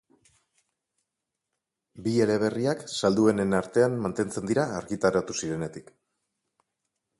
Bi eleberriak salduenen artean mantentzen dira argitaratu zirenetik.